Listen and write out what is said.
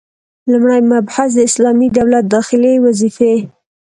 لومړی مبحث: د اسلامي دولت داخلي وظيفي: